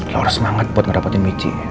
lo harus semangat buat ngerapatin mici